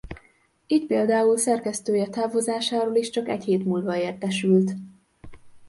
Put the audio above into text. Így például szerkesztője távozásáról is csak egy hét múlva értesült.